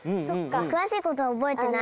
くわしいことはおぼえてない。